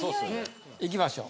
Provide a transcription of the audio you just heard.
いきましょう